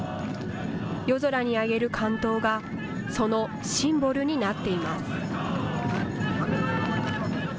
夜空にあげる竿燈が、そのシンボルになっています。